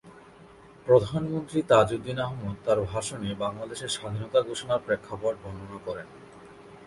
প্রধানমন্ত্রী তাজউদ্দীন আহমদ তার ভাষণে বাংলাদেশের স্বাধীনতা ঘোষণার প্রেক্ষাপট বর্ণনা করেন।